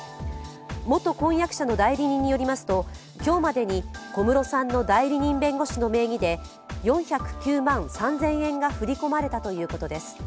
元婚約者の代理人によりますと、今日までに小室さんの代理人弁護士の名義で４０９万３０００円が振り込まれたということです。